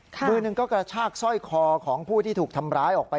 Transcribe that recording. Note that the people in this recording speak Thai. มือหนึ่งก็กระชากสร้อยคอของผู้ที่ถูกทำร้ายออกไป